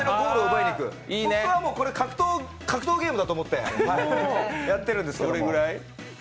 僕は、これ格闘ゲームだと思ってやってるんですけど。